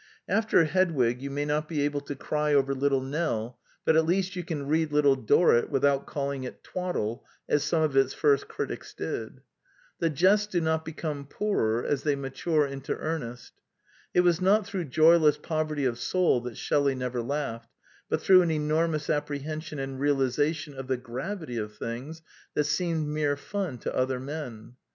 After Hedwig you may not be able to cry over Little Nell, but at least you can read Little Dorrit without calling it twaddle, as some of its first critics did. The jests do not become poorer as they mature into earnest. It was not through joyless poverty of soul that Shelley never laughed, but through an enormous apprehension and realization of the gravity of things that seemed mere fun to other men.